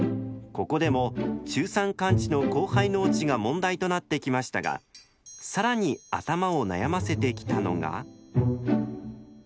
ここでも中山間地の荒廃農地が問題となってきましたが更に頭を悩ませてきたのが。